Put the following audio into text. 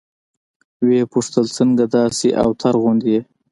ويې پوښتل څنگه داسې اوتر غوندې يې.